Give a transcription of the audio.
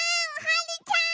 はるちゃん！